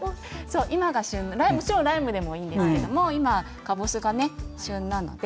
もちろんライムでもいいんですけど今かぼすが旬なので。